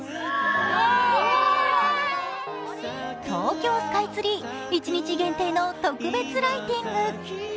東京スカイツリー、一日限定の特別ライティング。